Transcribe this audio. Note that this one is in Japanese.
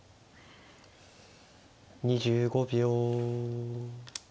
２５秒。